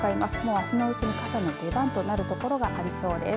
あすのうちに傘の出番となる所がありそうです。